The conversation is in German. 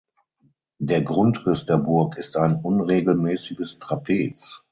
Der Grundriss der Burg ist ein unregelmäßiges Trapez.